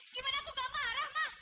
gimana aku gak marah mas